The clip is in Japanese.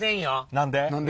何で？